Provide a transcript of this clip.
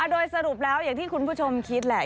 โดยสรุปแล้วอย่างที่คุณผู้ชมคิดแหละ